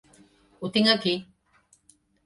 Ho tinc aquí.